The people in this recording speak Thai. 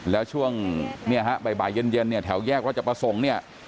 แล้วช่วงบ่ายเย็นแถวแยกราชประสงค์เนี่ย